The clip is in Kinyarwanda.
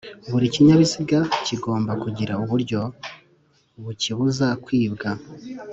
buri kinyabiziga kigomba kugira uburyo bukibuza kwibwa